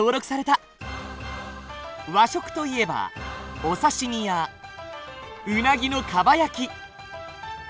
和食といえばお刺身やうなぎのかば焼き。